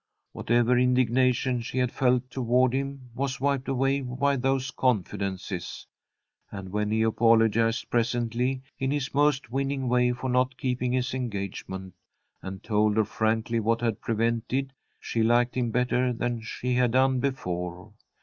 Whatever indignation she had felt toward him was wiped away by those confidences. And when he apologized presently, in his most winning way, for not keeping his engagement, and told her frankly what had prevented, she liked him better than she had done before.